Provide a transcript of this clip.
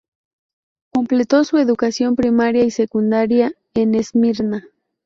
Completó su educación primaria y secundaria en Esmirna.